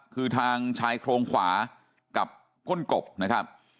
คือทางชายโครงขวากับก้นกบนะครับ